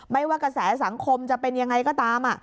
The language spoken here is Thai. ไม่ว่ากระแสสังคมจะเป็นอย่างไรก็ตาม